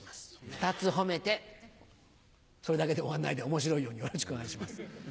２つ褒めてそれだけで終わんないで面白いようによろしくお願いします。